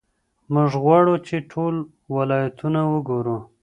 موږ غواړو چې ټول ولایتونه وګورو.